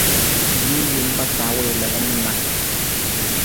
Jee wompa ta wii lalan na.